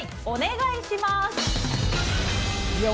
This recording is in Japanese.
お願いします。